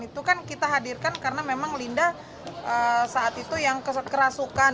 itu kan kita hadirkan karena memang linda saat itu yang kerasukan